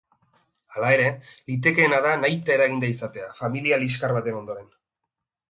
Hala ere, litekeena da nahita eraginda izatea, familia liskar baten ondoren.